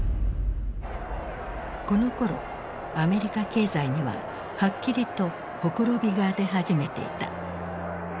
このころアメリカ経済にははっきりと綻びが出始めていた。